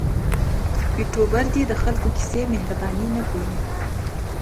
یوټوبر دې د خلکو کیسې مهرباني نه بولي.